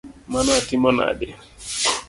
Mano atimo nade?